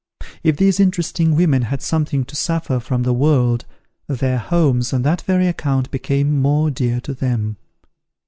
If these interesting women had something to suffer from the world, their homes on that very account became more dear to them.